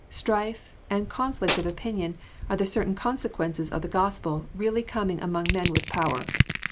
Strife and conflict of opinion are the certain consequences of the Gosptl really coming among men with power.